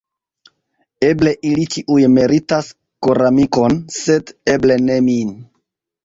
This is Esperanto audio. Eble ili ĉiuj meritas koramikon, sed eble ne min.